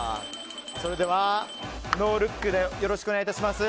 それでは、ノールックでよろしくお願い致します。